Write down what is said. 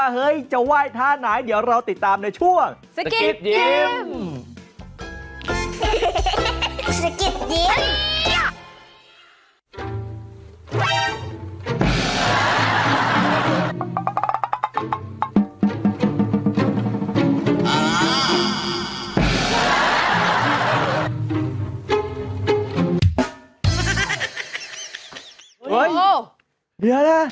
เฮ้ยเดี๋ยวนะ